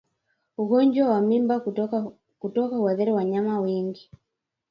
Ugonjwa wa mimba kutoka huathiri wanyama wengi